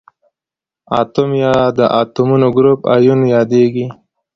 اتوم یا د اتومونو ګروپ ایون یادیږي.